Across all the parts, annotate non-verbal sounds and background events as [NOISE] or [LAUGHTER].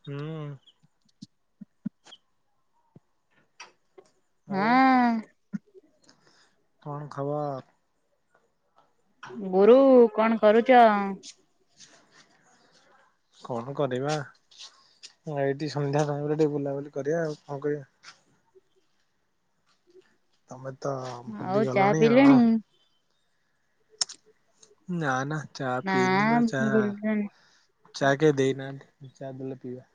ହୁଁ। ଆଉ, ହଁ କଣ ଖବର? ଗୁରୁ କଣ କରୁଚ? କଣ କରିବା? ହଁ ଏଇଠି ସନ୍ଧ୍ୟା ସମୟରେ ଟିକେ ବୁଲାବୁଲି କରିବା ଆଉ କଣ କରିବା। ତମେ ତ ଆଉ ଚା ଭୁଲିଗଲଣିି ଅ-ଅ ପିଇଲେଣି? ନା ନା ଚା ନା ପିଇନିବା ଚା ଚା କେଇ ଦେଇନାହାନ୍ତି ଚା ଦେଲେ ପିଇବା।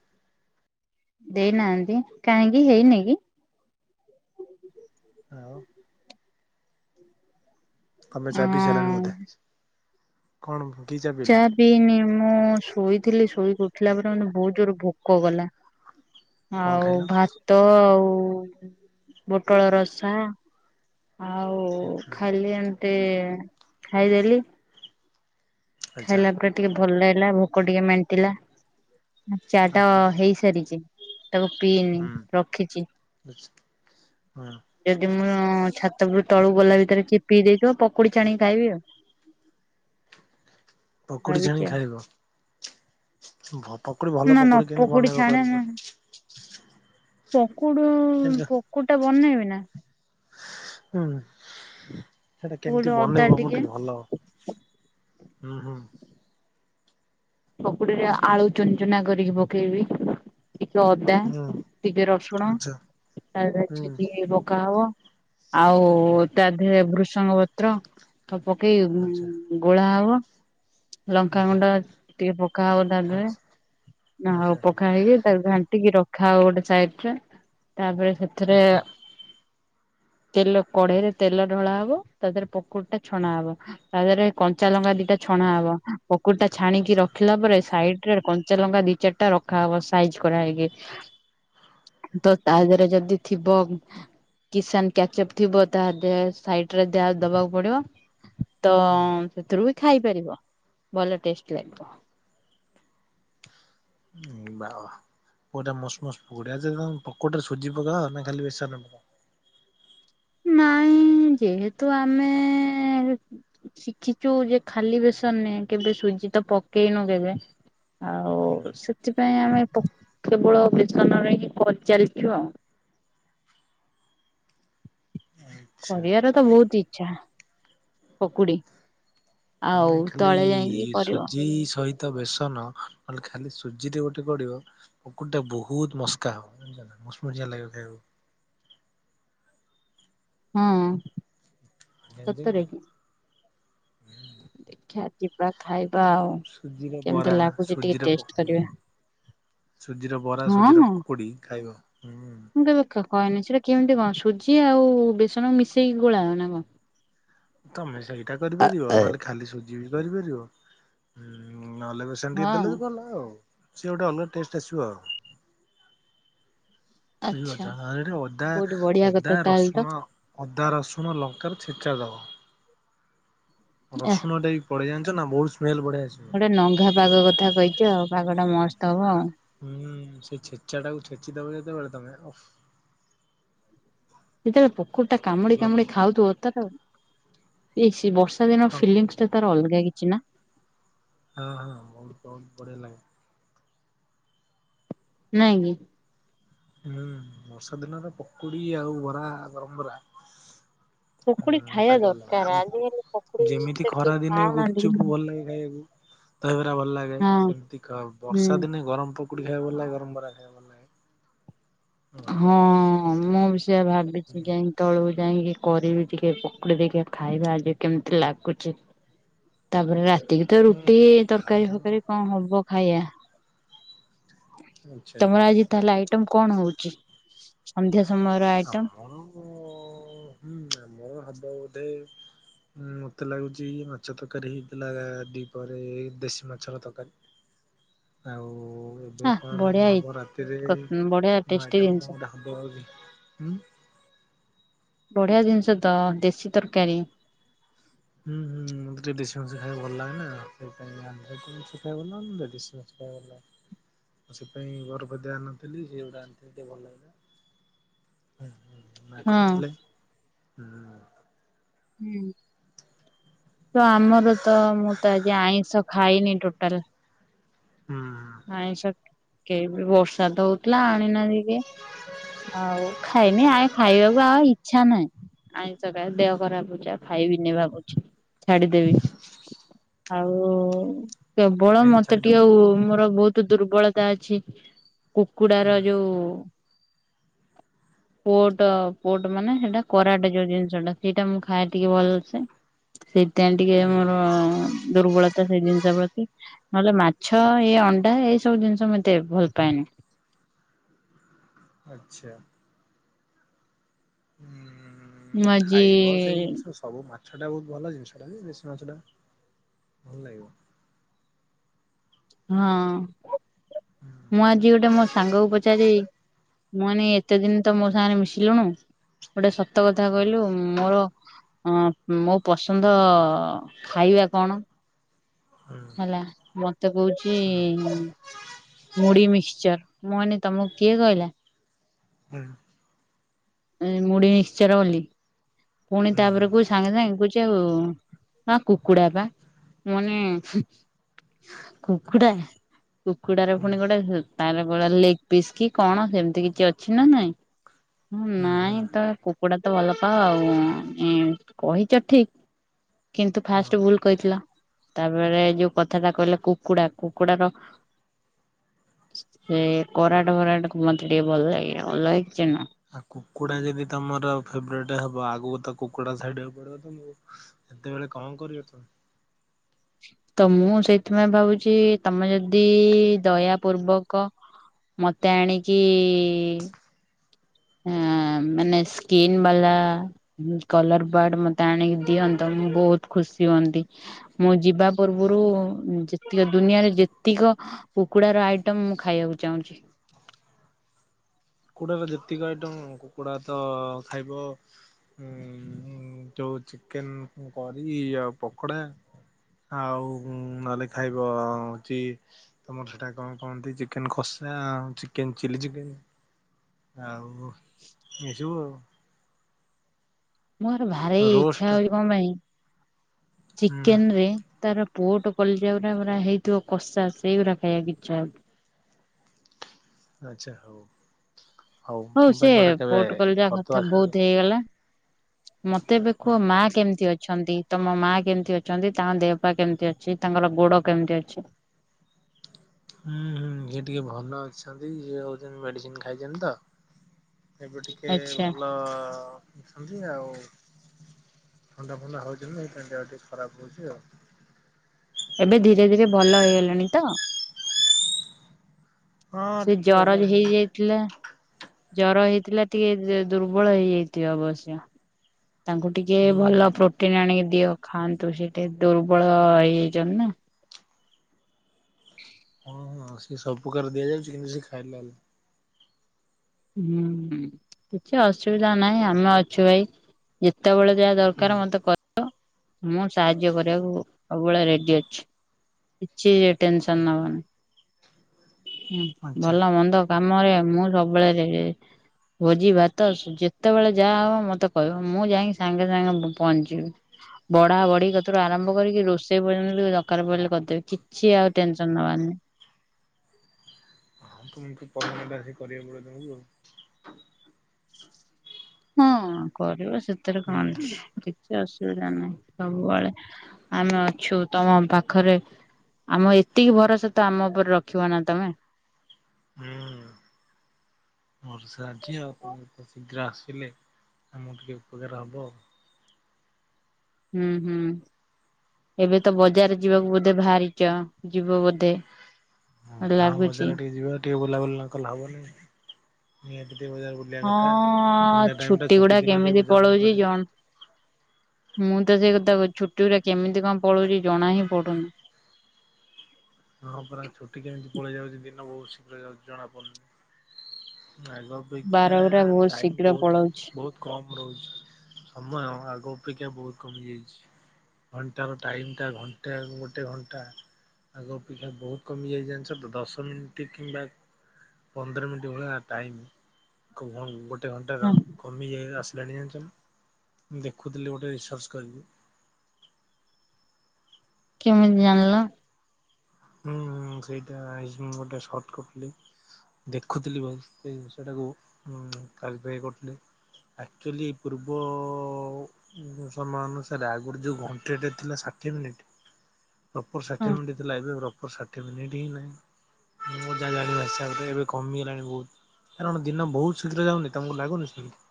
ଦେଇନାହାନ୍ତି କାହିଁକି ହେଇନି କି? ଆଉ ତମେ ଚା ପି ସାରିଲଣି ହଁ ବୋଧେ। କଣ କି ଚା ପିଇଲ? ପିଇନି ମୁଁ ଶୋଇଥିଲି ଶୋଇକି ଉଠିଲା ପରେ ମତେ ବହୁତ ଜୋର ଭୋକ କଲା। କଣ ଆଉ ଖାଇଲ ଭାତ ଆଉ ପୋଟଳ ରସା। ଆଉ ଖାଲି ଏମିତି ଖାଇଦେଲି। ଆଚ୍ଛା ଖାଇଲା ପରେ ଟିକେ ଭଲ ଲାଗିଲା ଭୋକ ଟିକେ ମେଣ୍ଟିଲା। ଚା ତ ଆଚ୍ଛା ହେଇସାରିଛି। ତାକୁ ପିଇନି ହୁଁ ରଖିଛି। ହଁ ଯଦି ମୁଁ-ଉ-ଉ-ଉ ଛାତ ଉପୁରୁ ତଳୁ ଗଲା ଭିତରେ କିଏ ପି ଦେଇଥିବ, ପକୁଡ଼ି ଛାଣିକି ଖାଇବି ଆଉ। ପକୁଡି ଭାବିଛି ଛାଣି ଆଉ ଖାଇବ। ଭ ପକୁଡି ଭଲ ନା ନା ପକୁଡି କେମତି ବନେଇବ କହିଲ? ପକୁଡି କେମିତି ପକୁଡି ଟା ବନେଇବି ନା। ହୁଁ ସେଟା ପକୁଡି କେମିତି ଅଦା ବନେଇବ ମୁଁ ଟିକେ ଭଲ ହୁଁ ହୁଁ। ପକୁଡିରେ ଆଳୁ ଚୁନ ଚୁନା କରିକି ପକେଇବି। ଟିକେ ଅଦା, ହୁଁ ଟିକେ ରସୁଣ। ଆଚ୍ଛା ତାରେ ହୁଁ ଛେଚିକି ପକା ହବ ଆଉ ହୁଁ ତା ଭୁଷଙ୍ଗ ପତ୍ର ତ ଆଚ୍ଛା ପକେଇ-ଇ-ଇ-ଇ ଗୋଳା ହବ। ଆଚ୍ଛା ଲଙ୍କାଗୁଣ୍ଡ ଟିକେ ପକା ହବ ତା ଦେହରେ, ଆଉ ଆଚ୍ଛା ପକା ହେଇକି ତା ଘାଣ୍ଟିକି ରଖା ହବ ଗୋଟେ ସାଇଡରେ। ତାପରେ ସେ ଥିରେ, ଆଚ୍ଛା ତେଲ କଢେଇରେ ତେଲ ଢ଼ଳା ହବ। ତା ଦେହରେ ପକୁଡି଼ଟା ଛଣା ହବ, ତା ଦେହରେ କଞ୍ଚା ଲଙ୍କା ଦିଟା ଛଣା ହବ, ପକୁଡି଼ ଟା ଛାଣିକି କି ରଖିଲା ପରେ ସାଇଡ଼୍ ରେ କଞ୍ଚା ଲଙ୍କା ଦି ଚାରିଟା ରଖାହବ ସାଇଜ କରାହେଇକି। ତ ତା ଦେହରେ ଯଦି ଥିବ କିସାନ୍ କ୍ୟାଚପ୍ ଥିବ, ତା ଦେହ ସାଇଟ ରେ ଦ୍ୟା ଦବାକୁ ପଡି଼ବ। ତ-ଅ-ଅ-ଅ ସେଥିରୁ ବି ଖାଇପାରିବ ଭଲ ଟେଷ୍ଟ ଲାଗିବ। ବା ହ ବା ପୁଡା ମସ୍ ମସ୍ ପୁଡ଼ା ଆ ପକୁଡ଼ିରେ ସୁଜି ପକାଓ ନା ଖାଲି ବେଶନ ପକାଓ। ନାଇଁ ଯେହେତୁ ଆମେଁ ଶିଖିଛୁ ଯେ ଖାଲି ବେସନ ନେ କେବେ ସୁଜି ତ ପକେଇନୁ କେବେ। ଆଉ ସେଥିପାଇଁ ଆମେ ପ କେବଳ ବେଶନରେ ହିଁ କରିଚାଲିଚୁ ଆଉ। କରିବାର ତ ବହୁତ ଇଚ୍ଛା। ପକୁଡି ଆଉ ଆମେ ଖାଲି ତଳେ ଯାଇକି କରିବ। ସୁଜି ସହି ତ ବେସନ ନହେଲେ ଖାଲି ସୁଜିରେ ଗୋଟେ ପଡ଼ିବ। ପକୁଡିଟା ବୋହୁତ ମସ୍କା ହବ, ମୁସ୍ ମୂଶିଆ ଲାଗିବ ଖାଇଆକୁ। ହୁଁ। ଗେଞ୍ଜି। [INAUDIBLE] ଦେଖିଆ ଯିବା ଖାଇବା ଆଉ। ସୁଜିରେ କେମିତି ବରା, ଲାଗୁଛି ଟିକେ ସୁଜିରେ ଟେଷ୍ଟ ପକୁଡି଼। କରିବା ସୁଜିର ବରା, ହଁ ସୁଜିର ହଁ। ପକୁଡି଼ ଖାଇବ, ହୁଁ। କ କହନି [UNINTELLIGIBLE] କେମିତି କଣ ସୁଜି ଆଉ ବେସନ ମିଶେଇକି ଗୋଳାଅ ନା କଣ? ତମେ ସେଇଟା କରିପାରିବ, ନହେଲେ ଖାଲି ସୁଜି ବି କରିପାରିବ, ହୁଁ ନହେଲେ ବେ ସେନ୍ ଟିକେ ଦେଲେ ଯେ ହଁ ଭଲ ଆଉ, ସେ ଗୋଟେ ଅଲଗା ଟେଷ୍ଟ ଆସିବ ଆଉ। [UNINTELLIGIBLE] ଆଚ୍ଛା ଯାହା ହେଲେ ଅଦା, ବହୁତ ବଢିଆ କଥା ଅଦା, ତାହେଲେ ତ ରସୁଣ ଅଦା, ରସୁଣ, ଲଙ୍କାର ଛେଚା ଦବ, ଏ ରସୁଣ ଦେଇ ପରେ ଜାଣିଛନା ବହୁତ୍ ସ୍ମେଲ୍ ବଢିଆ ଆସ୍ ଗୋଟେ ନଙ୍ଘା ପାଗ କଥା କହିଛ ଆଉ, ପାଗ ଟା ମସ୍ତ ହବ ଆଉ। ହୁଁ, ସେଇ ଛେଚା ଟାକୁ ଛେଚି ଦବ ଯେତେବେଳେ ତମେ, ଓଫ୍। ଯେତେବେଳେ ପୋକୁଡ୍ ଟା କାମୁଡି ଅଲଗା କାମୁଡି ପ୍ରକାର। ଖାଉଥିବ, ତାର ଏସି ବର୍ଷା ଦିନ ହଁ ଫିଲିଂସ୍ ସେ ତାର ଅଲଗା କିଛି ନା! ହଁ, ହଁ, ବୋହୁତ ବୋହୁତ ବଢି଼ଆ ଲାଗେ। ନାଇଁ କି? ହୁଁ, ବର୍ଷା ଦିନର ପକୁଡି ଆଉ ବରା, ଗରମ ବରା ହୁଁ, ପକୁଡି ଖାଇବା ତାକୁ ଅଲଗା, ଦରକାର ଆଜିକାଲି ପକୁଡି ଯେମିତି ଏତେ କିଏ ଖରା ଦିନେ ଗୁପ୍ ଖାଉନାହାନ୍ତି ଚୁପ୍ କିନ୍ତୁ ଭଲ ଲାଗେ ଖାଇବାକୁ ଦହିବରା ଭଲ ଲାଗେ, ହଁ ସେମତିକା ହୁଁ ବର୍ଷା ଦିନେ ଗରମ ପକୁଡି଼ ଖାଇବାକୁ ଭଲ ଲାଗେ, ଗରମ ବରା ଖାଇବାକୁ ଭଲ ଲାଗେ। ହଁ, ମୁଁ ବି ସେୟା ଭାବିଛି କାଇଁ ତଳକୁ ଯାଇଂକି କରିବି ଟିକେ ପକୁଡି଼ ଦେଖିଆ ଖାଇବା ଆଜି କେମିତି ଲାଗୁଚି। ତାପରେ ରାତିକି ତ ହୁଁ ରୁଟି, ତରକାରୀ ଖାଇବା ଫରକାରୀ କଣ ହବ ଖାଇବା। ଆଚ୍ଛା ଆଚ୍ଛା। ତମର ଆଜି ତାହଲେ ଆଇଟମ୍ କଣ ହୋଉଚି? ଆମର ହୁଁ ଆମର ହବ ବୋଧେ ହୁଁ, ମତେ ଲାଗୁଚି ମାଛ ତରକାରୀ ହେଇଥିଲା ଦି ପରେଏ ଦେଶୀ ମାଛର ତରକାରୀ। ଆଉ ଆଉ ଆ ଏବେ କଣ ବଢିଆ ହେଇ ହବ ରାତିରେ ବଢିଆ ନୂଆ ଟେଷ୍ଟି ଆଇଟମ୍ ଜିନିଷ। କଣ ଗୋଟେ ହେବ ଆଉ, ହୁଁ। ବଢ଼ିଆ ଜିନିଷ ତ ଦେଶୀ ତରକାରୀ। ହୁଁ ହୁଁ, ମତେ ଟିକେ ଦେଶୀ ମାଛ ଖାଇବାକୁ ଭଲ ଲାଗେ ନା ସେଇଥିପାଇଁ ନନଭେଜ ବେଶୀ ଖାଇବ ନା ନହେଲେ ନାଇ ଦେଶୀ ମାଛ। [UNINTELLIGIBLE] ମୁ ସେଥପାଇଁ [UNINTELLIGIBLE] ଆଣିନଥିଲି, ଏଗୁଡା ଆଣିଥିଲି ଟିକେ ଭଲ ଲାଗିଲା। ହୁଁ ହୁଁ, ମା ହଁ। କରିଥିଲେ ହୁଁ। ହୁଁ, ତ ଆମର ତ ମୁଁ ତ ଆଜି ଆଇଁଷ ଖାଇନି ଟୋଟାଲ। ହୁଁଁ ହୁଁ। ଆଇଁଷ କେ ବି ବର୍ଷା ତ ହଉଥିଲା ଆଣିନାହାନ୍ତି କିଏ। ଆଉ ଖାଇନି ଆଇ ଖାଇବାକୁ ଆଉ ଇଚ୍ଛା ନାହିଁ। ଆଇଁଷ ଖାଇ ଦେହ ଖରାପ ହଉଛି ଆଉ ଖାଇବିନି ଭାବୁଛି ଛାଡିଦେବି। ଆଉ କେବଳ କାହିଁ ମତେ ଛାଡ଼ିଦବ ଟିକେ ଆଉ ମୋର ବୋହୁତ ଦୁର୍ବଳତା ଅଛି ହୁଁ କୁକୁଡାର ଯୋଉ ପୋର୍ଟ ପୋଟ ମାନେ ହେଟା କରାଟ ଯୋଉ ଜିନିଷ ଟା। ସେଇଟା ମୁଁ ଖାଏ ଟିକେ ଭଲସେ, ସେଇଥିପାଇଁ ଟିକେ ହୁଁ ମୋର ଦୁର୍ବଳ ତା ସେଇ ଜିନିଷ ପ୍ରତି। ନହେଲେ ମାଛ ଏଇ ଅଣ୍ଡା ଏଇ ସବୁ ଜିନିଷ ମୁଁ ଏତେ ଭଲ ପାଏନି। ଆଚ୍ଛା। ଉମ୍ ମୁଁ ଆଜି ଖାଇବ ସେଇ ଜିନିଷ ସବୁ ମାଛଟା ବହୁତ ଭଲ ଜିନିଷଟା ଯେ, ଦେଶୀ ମାଛଟା ଭଲ ଲାଗିବ। ହଁ, ହୁଁ ମୁଁ ଆଜି ଗୋଟେ ମୋ ସାଙ୍ଗକୁ ପଚାରିବି? ମୁନି ଏତେ ଦିନ ତ ମୋ ସାଙ୍ଗରେ ମିଶିଲୁଣୁ! ଗୋଟେ ସତ କଥା ହୁଁ କହିଲୁ, ମୋର ଅ ମୋ ପସନ୍ଦ ଖାଇବା କଣ? ହୁଁ ହେଲା। ମତେ କହୁଛି ହୁଁ ମୁଢି ମିକ୍ସଚର। ମୁନି ତମକୁ କିଏ କହିଲା? ହଁ। ମୁଢି ମିକ୍ସଚର ବୋଲି? ଫୁଣି ହୁଁ ହୁଁ ତାପରେ କୁ ସାଙ୍ଗେ ସାଙ୍ଗେ କହୁଛି ଆଉ ହଁ କୁକୁଡ଼ା ବା ମାନେ କୁକୁଡ଼ା? କୁକୁଡାରେ ହୁଁ ପୁଣି ଗୋଟେ ତାର ଗୋଟେ ଲେଗ ପିସ୍ କି କଣ ସେମିତି କିଛି ଅଛି ନା ନାଇଁ? ହଁ ହୁଁ ନାଇଁ ତ ହୁଁ କୁକୁଡା ତ ଭଲପାଅ ଆଉ! ଆ ଏଁ କହିଛ ଠିକ୍, କିନ୍ତୁ ହୁଁ ଫାଷ୍ଟ ଭୁଲ କହିଥିଲ। ତାପରେ ଯୋଉ କଥା ଟା କହିଲ କୁକୁଡା। କୁକୁଡାର ସେ କରାଟ ଫରାଟକୁ ମତେ ଟିକେ ଭଲ ଲାଗେ। ଭଲ ଲାଗିଛି ନା। ଆ କୁକୁଡା ଯଦି ତମର ଫେବରେଟ ହବ? ଆଗକୁ ତ କୁକୁଡା ଛାଡିବାକୁ ପଡିବ ତମକୁ। ସେତେବେଳେ କଣ କରିବ ତମେ? ତ ମୁଁ ସେଇଥିପାଇଁ ଭାବୁଛି ତମେ ଯଦ ଦି ଦୟା ପୂର୍ବକ ମତେ ଆଣିକି ଆ ମାନେ ସ୍କିନ ବାଲା କଲର ବାର୍ଡ ମତେ ଆଣିକି ଦିଅନ୍ତ! ମୁଁ ବହୁତ ଖୁସି ହୁଅନ୍ତି। ମୁଁ ଯିବା ପୂର୍ବରୁ ଯେ ତ ଦୁନିଆରେ ଯେତିକ କୁକୁଡାର ଆଇଟମ୍ ମୁଁ ଖାଇବାକୁ ଚାହୁଁଛି। କୁକୁଡ଼ାର ଯେତିକ ଆଇଟମ୍, କୁକୁଡ଼ା ତ ଖାଇବ ହଁ ଯୋଉ ଚିକେନ କରି, ଆଉ ପକୋଡା ଆଉ ନହେଲେ ଖାଇବ ହଉଛି ତମର ସେଟା କଣ କଣନ୍ତି? ଚିକେନ ଖସା, ଆଉ ଚିକେନ ଚିଲି ଚିକେନ୍। ଆଉ ଏଇସବୁ ଆଉ। ମୋର ଭାରି ଆଉ ରୋଷ୍ଟ ଇଚ୍ଛା ହଉଛି କଣ ପାଇଁ? ହୁଁ ଚିକେନ୍ ରେ ତାର ପୋର୍ଟ କଲିଜା ଗୁରା ପୁରା ହେଇଥିବ କଷା। ସେଇଗୁରା ଖାଇବାକୁ ଇଚ୍ଛା ହଉଚି। ଆଚ୍ଛା ହଉ। ହଉ ତମ ସେ ପାଇଁ ଗୋଟେ କେବେ ପୋର୍ଟ କଲିଜା କଥା କରିଦବା ଖାଇବ ବହୁତ ହେଇଗଲା। ମତେ ଏବେ କୁହ ହୁଁ। ମା କେମିତି ଅ ଅଛନ୍ତି? ତମ ମା କେମିତି ଅଛନ୍ତି? ତାଙ୍କ ଦେହପା କେମିତି ଅଛି? ତାଙ୍କର ଗୋଡ କେମିତି ଅଛି? ହୁଁ ହୁଁ ସିଏ ଟିକେ ଭଲ ଅଛନ୍ତି। ସିଏ ହଉଛନ୍ତି ମେଡିସିନ ଖାଇଛନ୍ତି ତ। ଏବେ ଟିକେ ଆଚ୍ଛା ଭଲ ଅଛନ୍ତି ଆଉ। ଥଣ୍ଡା ଫଣ୍ଡା ହଉଚି ବୋଲି ତାଙ୍କ ଦେହ ଟିକେ ଖରାପ ହଉଚି ଆଉ। ଏବେ ଧୀରେ ଧୀରେ ଭଲ ହେଇଗଲେଣି ତ? ହଁ ସେ ଟିକେ ଭଲ ଜର ହେଇଯାଇ ଅଛନ୍ତି ହେଇଥିଲା? ଜର ହେଇଥିଲା, ଟିକେ ଦ ଦୁର୍ବଳ ହେଇଯାଇଥିବେ ଅବଶ୍ୟ। ତାଙ୍କୁ ଟିକେ ହୁଁ ଭଲ ହୁଁ ପ୍ରୋଟିନ୍ ଆଣିକି ଦିଅ ଖାଆନ୍ତୁ। ସିଏ ଦୁର୍ବଳ ଆ ହେଇଯାଇଛନ୍ତି ନା? ହଁ ହଁ ସିଏ ସବୁପ୍ରକାର ଦିଆଯାଉଛି କିନ୍ତୁ ସିଏ ଖାଇଲେ ହେଲା? ହୁଁ ହୁଁ। କିଛି ଅସୁବିଧା ନାହିଁ ଆମେ ଅଛୁ ଭାଇ। ଯେତେବେଳେ ଯାହା ହୁଁ ଦରକାର ମତେ କହି ମୁଁ ସାହାଯ୍ୟ କରିବାକୁ ସବୁବେଳେ ରେଡି ଅଛି। କିଛି ଟେନସନ୍ ନବନି। ଆଚ୍ଛା ଭଲ ମନ୍ଦ କାମରେ ମୁଁ ସବୁ [UNINTELLIGIBLE] ଭୋଜି ଭାତ ଯେତେବେଳେ ଯାହା ହବ ମତେ କହିବ। ମୁଁ ଯାଇଁକି ସାଙ୍ଗେ ସାଙ୍ଗେ ପହଞ୍ଚିଯିବି। ବଢା ବଢି କତିରୁ ଆରମ୍ଭ କରିକି ରୋଷେଇ ପର୍ଯ୍ୟନ୍ତ ବି ଦରକାର ପଇଲେ କରିଦେବି। କି ଛି ଆଉ ଟେନସନ୍ ନବାର ନାହିଁ। ହଁ ତୁମକୁ ପର୍ମାନେଣ୍ଟ ଆସିକି କରିବାକୁ [UNINTELLIGIBLE] ହଁ କରିବ ସେଥେରେ କଣ ଅଛି। ହୁଁ କିଛି ଅସୁବିଧା ନାହିଁ ସବୁବେଳେ ଆମେ ଅଛୁ ତମ ପାଖରେ। ଆମ ଏତିକି ଭରସା ତ ଆମ ଉପରେ ରଖିବ ନା ତମେ। ହୁଁ। ଭରଷା ଅଛି ଆଉ ଆପଣ ଯେତେ ଶୀଘ୍ର ଆସିଲେ ଆମର ଟିକେ ଉପକାର ହବ। ହୁଁ ହୁଁ। ଏବେ ତ ବଜାର ଯିବାକୁ ବୋଧେ ଭାଆରିଚ। ଯିବ ବୋଧ। ହଁ ଗାଁ ବଜାର ଟିକେ ଯିବା ଟିକେ ବୁଲାବୁଲି ନକଲେ ହବନି ନିହାତ ଟିକେ ବୁଲିବାକୁ ହଁ ଛୁଟି ଗୁଡା ଦିନ ଟିକେ କେମିତି ବୁଝାବୁଝି ପଳଉଚି କରିବା। ଜଣ ମୁଁ ତ ସେଇ କଥା କହୁଚି ଛୁଟି ଗୁଡା କେମିତି କଣ ପଳଉଚି ଜଣା ହିଁ ପଡୁନି। ହଁ ପରା ଛୁଟି କେମିତି ପଳେଇ ଯାଉଚି ଦିନ ବହୁତ ଶୀଘ୍ର ଯାଉଚି ଜଣା ପଡୁନି। ଆଗ ବାର ଅପେକ୍ଷା ଗୁଡା ବହୁତ ଟାଇମ୍ ଶୀଘ୍ର ବହୁତ୍ ପଳଉଛି ବହୁତ୍ କମ୍ ରହୁଛି ସମୟ ଆଗ ଅପେକ୍ଷା ବହୁତ କମିଯାଇଛି। ଘଣ୍ଟାର ଟାଇମ୍ ଟା ଘଣ୍ଟେ ଗୋଟେ ଘଣ୍ଟା। ଆଗ ଅପେକ୍ଷା ବହୁତ କମିଯାଇଚି ଜାଣିଛ ତ ଦଶ ମିନଟି କିମ୍ବା ପନ୍ଦର ମିନଟି ଭଳିଆ ଟାଇମ କୁହନ୍ ଗୋଟ୍ ଗୋଟେ ଘଣ୍ଟାର ହଁ କମିଯାଇ ଆସିଲାଣି ଜାଣିଚ ନା ମୁଁ ଦେଖୁଥିଲି ଗୋଟେ ରିସର୍ଚ୍ଚ କରିକି। କେମିତି ଜାଣିଲ? ହୁଁ ହୁଁ ସେଇଟା ମୁଁ ଗୋଟେ ସଟ କଟଲିି। ଦେଖୁଥିଲି ବ ସେଇ ସେଟାକୁ ଉଁ କାଲି ପାଇଁ କରୁଥିଲି। ଆକଚୁଆଲି ପୂର୍ବ ସମୟ ଅନୁସାରେ ଆଗୁରୁ ଯୋଉ ଘଣ୍ଟେଟେ ଥିଲା ଷାଠିଏ ମିନିଟ୍ ପ୍ରପର୍ ଷାଠିଏ ମିନଟି ଥିଲା ଏବେ ପ୍ରପର ଷାଠିଏ ମିନଟ୍ ହିଁ ନାହିଁ। ମୁଁ ଯାହା ଜାଣିବା ହିସାବରେ ଏବେ କମିଗଲାଣି ବହୁତ୍। କାରଣ ଦିନ ବହୁତ ଶୀଘ୍ର ଯାଉନି ତମୁକୁ ଲାଗୁନି ସେମିତି।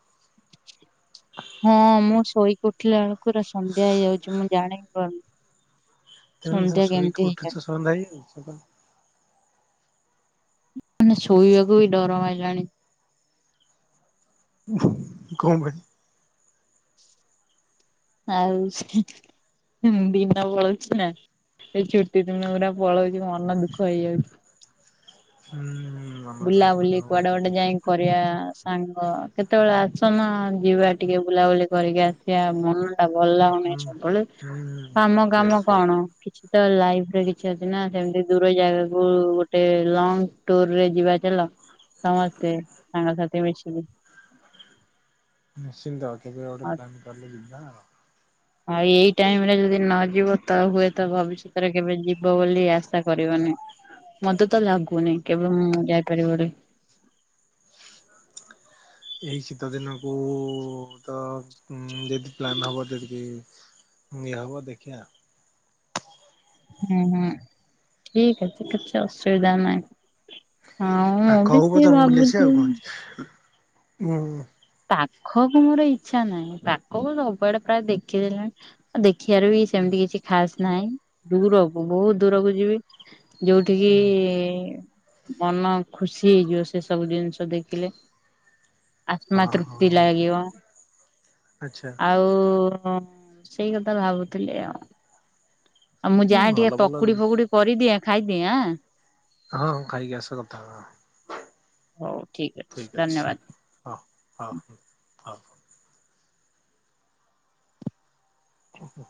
ହଁ, ମୁଁ ଶୋଇକି ଉଠିଲା ବେଳୁକୁ ପୁରା ସନ୍ଧ୍ୟା ହେଇଯାଉଚି ମୁଁ ଜାଣି ପାରୁନି। ତେଣୁ ସନ୍ଧ୍ୟା ତମେ କେମିତି ଶୋଇକି ହେଇଗଲାଣି ଉଠୁଚ ସନ୍ଧ୍ୟା ହେଇଯାଉଚି। ମାନେ ଶୋଇବାକୁ ବି ଡର ମାଇଲାଣି। କଣ ପାଇଁ? ଆଉ ଦିନ ପଳଉଛି ନା ସେଇ ଛୁଟି ଦିନଗୁରା ପଳଉଚି ମୋ ମନ ଦୁଃଖ ହେଇଯାଉଚି। ହୁଁ। ମାମା ତ ବୁଲା ଦୁଃଖ ବୁଲି ହବ କୁଆଡେ ଗୋଟେ ଯଦି ଯାଇଁକି କରିବା ସାଙ୍ଗ କେତବେଳେ ଆସୁନ ଯିବା ଟିକେ ବୁଲାବୁଲି କରିକି ଆସିବା ମନ ଟା ଭଲ ଲାଗୁନି ହୁଁ। ସବୁବେଳେ କାମ କାମ ହୁଁ କଣ କିଛି ତ ଲାଇଫରେ କିଛି ଅଛି ନା ସେମିତି ଦୂର ଜାଗାକୁ ଗୋଟେ ଲଙ୍ଗ ଟୁରରେ ଯିବା ଚାଲ ସମସ୍ତେ ସାଙ୍ଗସାଥି ମିଶିକି। ନିଶ୍ଚିନ୍ତ। କେବେ ଗୋଟେ ଆଉ ପ୍ଲାନ୍ କରିଲେ ଯିବା। ଆଉ ଏଇ ଟାଇମ ରେ ଯଦି ନ ଯିବ ତ ହୁଏତ ଭବିଷ୍ୟତରେ କେବେ ଯିବ ବୋଲି ଆଶା କରିବନି। ମତେ ତ ଲାଗୁନି କେବେ ମୁଁ ଯାଇପାରିବି ବୋଲି। ଏଇ ଶୀତ ଦିନକୁ ତ ଉଁ ଯଦି ପ୍ଲାନ ହବ ଯଦିବି ଯାହା ହବ ଦେଖିବା। ହୁଁ ହୁଁ ଠିକ ଅଛି କିଛି ଅସୁବିଧା ନାହିଁ। ଆଉ ମୁଁ ପାଖ ବି ହଉ ପଛେ ସେ ତମକୁ ବୁଲି ଆସିବା ଭାବୁଛି ଆଉ କଣ ଅଛି ହୁଁ। ପାଖକୁ ମୋର ଇଚ୍ଛା ନାହିଁ ପାଖକୁ ସବୁଆଡେ ପ୍ରାୟ ଦେଖିଦେଲେଣି। ଆଉ ଦେଖିବାର ବି ସେମିତି କିଛି ଖାସ ନାହିଁ ଦୂରକୁ ବହୁତ ଦୂରକୁ ଯିବି। ଯୋଉଠିକି ମନ ଖୁସି ହେଇଯିବ ସେ ସବୁ ଜିନିଷ ଦେଖିଲେ। ଆତ୍ମା ହଁ ତୃପ୍ତି ହଁ ଲାଗିବ ଆଚ୍ଛା ଆଉ ସେଇ କଥା ଭାବୁଥିଲି ଆଉ। ଆଉ ମୁଁ ହୁଁ ଯାଏ ଟିକେ ଭଲ ଭଲ ପକୁଡି ଫକୁଡି କରିଦିଏ ଖାଇଦିଏଁ ଆଁ। ହଁଁ ଖାଇକି ଆସ କଥା ହବା। ହଉ ଠିକ୍ ଠିକ ଅଛି ଧନ୍ୟବାଦ। ହ ହ ହ। ଓହୋ।